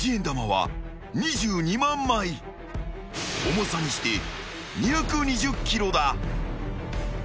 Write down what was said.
［重さにして２２０ｋｇだ］